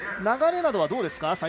流れなどはどうですか。